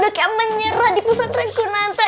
udah kayak menyerah di pusat pesantren kunanta